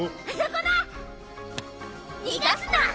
あそこだ！